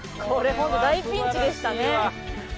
これホント大ピンチでしたね。